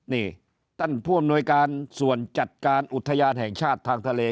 นี่ท่านผู้อำนวยการส่วนจัดการอุทยานแห่งชาติทางทะเล